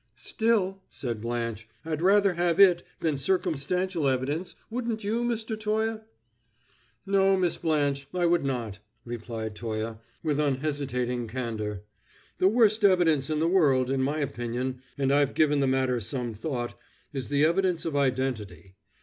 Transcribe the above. "Still," said Blanche, "I'd rather have it than circumstantial evidence, wouldn't you, Mr. Toye?" "No, Miss Blanche, I would not," replied Toye, with unhesitating candor. "The worst evidence in the world, in my opinion, and I've given the matter some thought, is the evidence of identity."